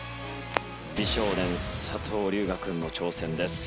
美少年佐藤龍我君の挑戦です。